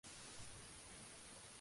La temporada fue sin embargo muy mala.